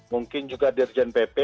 mungkin juga dirjen pp